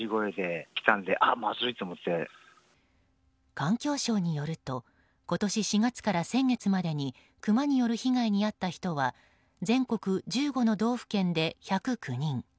環境省によると今年４月から先月までにクマによる被害に遭った人は全国１５の道府県で１０９人。